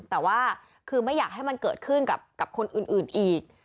แต่ว่าคือไม่อยากให้มันเกิดขึ้นกับคนอื่นอีก